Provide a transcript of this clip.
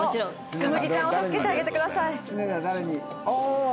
つむぎちゃんを助けてあげてください。